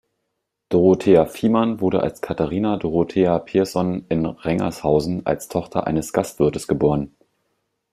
Dorothea Viehmann wurde als Katharina Dorothea Pierson in Rengershausen als Tochter eines Gastwirtes geboren.